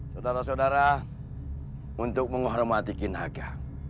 saudara saudara untuk menghormati kinaka